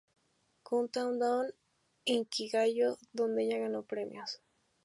Countdown" e "Inkigayo", donde ella ganó premios.